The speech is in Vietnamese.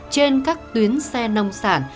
trên các tuyến xe nông sản